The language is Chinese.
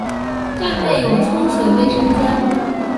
站内有冲水卫生间。